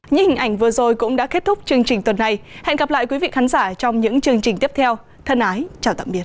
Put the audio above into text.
những hình ảnh vừa rồi cũng đã kết thúc chương trình tuần này hẹn gặp lại quý vị khán giả trong những chương trình tiếp theo thân ái chào tạm biệt